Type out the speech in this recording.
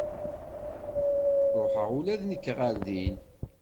Ruḥeɣ ula d nekk ɣer din.